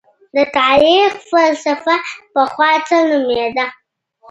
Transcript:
د تاريخ فلسفه پخوا څه نومېده؟